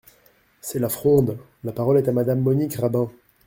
C’est la fronde ! La parole est à Madame Monique Rabin.